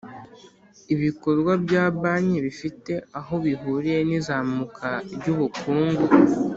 ibikorwa bya banki bifite aho bihuriye n’izamuka ry’ubukungu